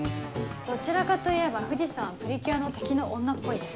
どちらかといえば藤さんはプリキュアの敵の女っぽいです。